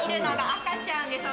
赤ちゃんです。